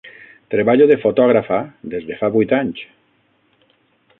Treballo de fotògrafa des de fa vuit anys.